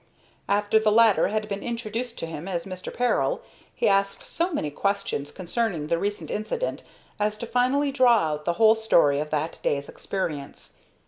After the latter had been introduced to him as "Mr. Peril," he asked so many questions concerning the recent incident as to finally draw out the whole story of that day's experience.